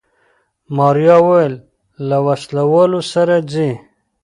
ماريا وويل له وسله والو سره ځي.